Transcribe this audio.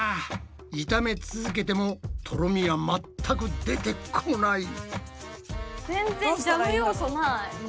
炒め続けてもとろみは全く出てこない。